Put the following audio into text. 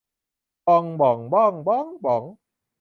บอง บ่อง บ้อง บ๊อง บ๋อง